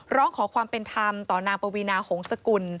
ร้องขอความเป็นธรรมต่อนางปวีนาหงษกุล